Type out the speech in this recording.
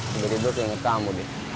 jadi dulu teringet kamu